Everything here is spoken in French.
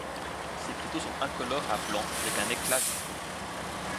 Ses cristaux sont incolores à blancs, avec un éclat vitreux.